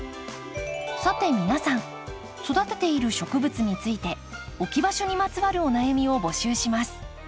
さて皆さん育てている植物について置き場所にまつわるお悩みを募集します。